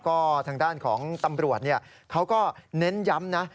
ก็ทางด้านของตำรวจเขาก็เน้นย้ำนะ